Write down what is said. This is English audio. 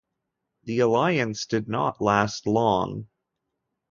The alliance did not last long.